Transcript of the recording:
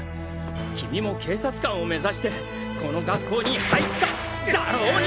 君も警察官を目指してこの学校に入っただろうに！